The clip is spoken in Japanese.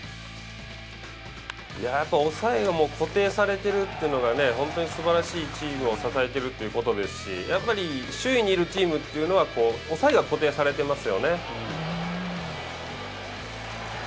やっぱり、抑えが固定されてるというのが本当にすばらしいチームを支えているということですしやっぱり首位にいるチームというのは抑えが固定されてますよね。